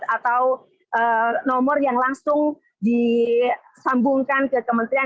hanya itu memang jemaah haji juga bisa langsung diberikan ke tempat lain